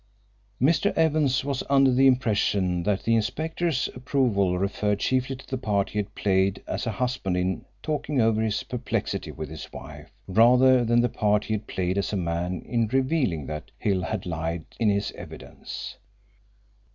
Mr. Evans was under the impression that the inspector's approval referred chiefly to the part he had played as a husband in talking over his perplexity with his wife, rather than the part he had played as a man in revealing that Hill had lied in his evidence.